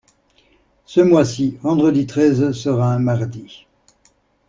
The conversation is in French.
Ce mois-ci, vendredi treize sera un mardi.